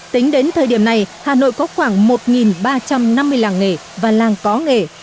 tính đến thời điểm này hà nội có khoảng một ba trăm năm mươi làng nghề và làng có nghề